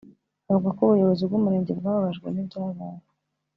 avuga ko ubuyobozi bw’umurenge bwababajwe n’ibyabaye